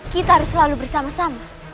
kita harus selalu bersama sama